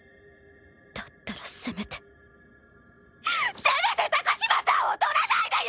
だったらせめてせめて高嶋さんを取らないでよ！